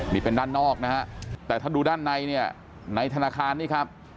นี่เป็นด้านนอกนะฮะแต่ถ้าดูด้านในเนี่ยในธนาคารนี่ครับ